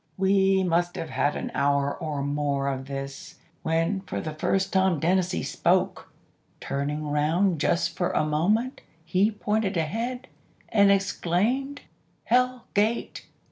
"We must have had an hour or more of this, when for the first time Dennazee spoke. Turning round just for a moment he pointed ahead, and exclaimed, 'Hell Gate!